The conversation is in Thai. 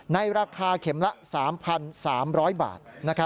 ในราคาเข็มละ๓๓๐๐บาท